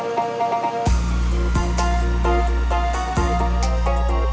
mau minta pendapat jemumun